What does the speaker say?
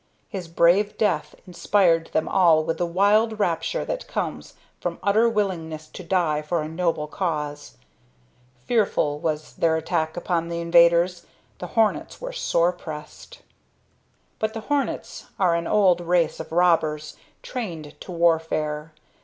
His brave death inspired them all with the wild rapture that comes from utter willingness to die for a noble cause. Fearful was their attack upon the invaders. The hornets were sore pressed. But the hornets are an old race of robbers, trained to warfare.